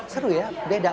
seru ya beda